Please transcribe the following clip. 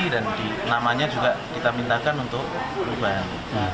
dan namanya juga kita minta untuk perubahan